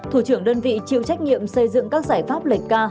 thủ trưởng đơn vị chịu trách nhiệm xây dựng các giải pháp lệch ca